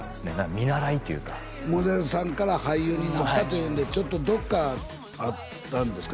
見習いというかモデルさんから俳優になったというんでちょっとどっかあったんですか？